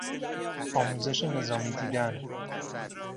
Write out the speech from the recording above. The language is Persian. آموزش نظامی دیدن